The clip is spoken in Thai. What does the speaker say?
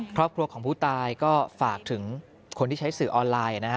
ครอบครัวของผู้ตายก็ฝากถึงคนที่ใช้สื่อออนไลน์นะฮะ